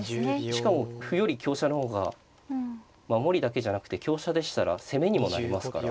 しかも歩より香車の方が守りだけじゃなくて香車でしたら攻めにもなりますから。